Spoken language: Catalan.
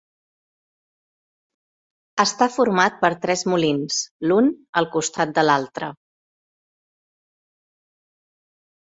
Està format per tres molins, l'un al costat de l'altre.